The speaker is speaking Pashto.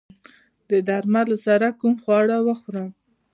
دې درملو سره کوم خواړه وخورم؟